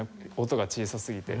音が小さすぎて。